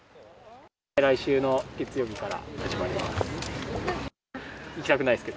来週の月曜日から始まります。